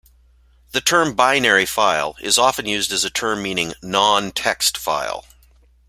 The term "binary file" is often used as a term meaning "non-text file".